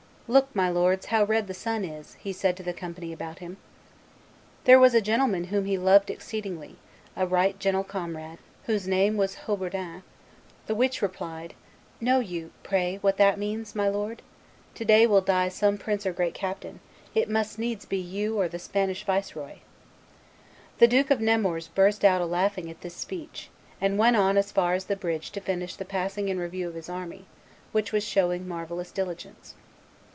'Look, my lords, how red the sun is,' said he to the company about him. There was there a gentleman whom he loved exceedingly, a right gentle comrade, whose name was Haubourdin, the which replied, 'Know you, pray, what that means, my lord? To day will die some prince or great captain: it must needs be you or the Spanish viceroy.' The Duke of Nemours burst out a laughing at this speech, and went on as far as the bridge to finish the passing in review of his army, which was showing marvellous diligence."